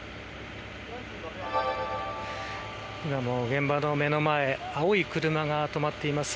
現場の目の前、青い車が止まっています。